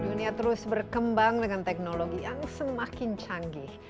dunia terus berkembang dengan teknologi yang semakin canggih